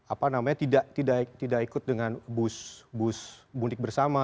apa namanya tidak ikut dengan bus mudik bersama